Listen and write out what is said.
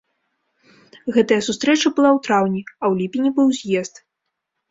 Гэтая сустрэча была ў траўні, а ў ліпені быў з'езд.